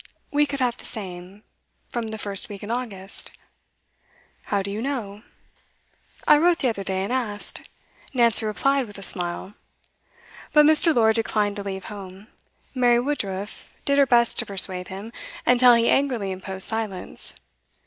We could have the same, from the first week in August.' 'How do you know?' 'I wrote the other day, and asked,' Nancy replied with a smile. But Mr. Lord declined to leave home. Mary Woodruff did her best to persuade him, until he angrily imposed silence.